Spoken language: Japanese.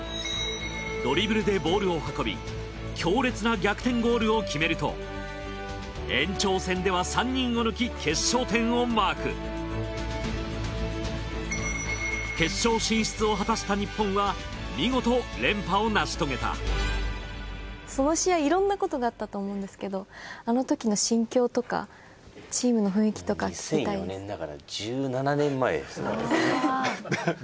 ドリブルでボールを運び強烈な逆転ゴールを決めると延長戦では３人を抜き決勝点をマーク決勝進出を果たした日本は見事連覇をなし遂げたその試合いろんなことがあったと思うんですけどあのときの心境とかチームの雰囲気とか聞きたいです。